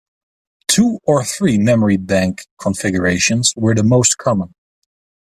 Two or three memory bank configurations were the most common.